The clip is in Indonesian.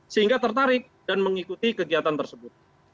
sehingga tertarik dan mengikuti kegiatan tersebut